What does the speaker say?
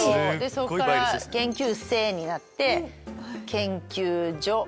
そっから研究生になって研究所。